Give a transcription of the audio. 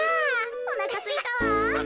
おなかすいたわ。